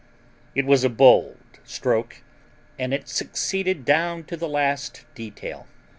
It was a bold stroke, and it succeeded down to the last detail.